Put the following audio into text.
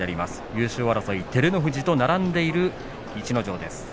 優勝争い、照ノ富士と並んでいる逸ノ城です。